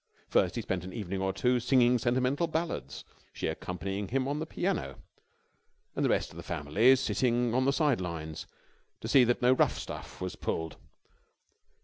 First, he spent an evening or two singing sentimental ballads, she accompanying him on the piano and the rest of the family sitting on the side lines to see that no rough stuff was pulled.